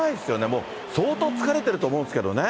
もう相当疲れてると思うんですけどね。